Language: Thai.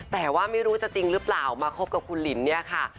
แต่ว่าไม่รู้จะจริงหรือเปล่ามาคบกับคุณลินเนี่ยค่ะ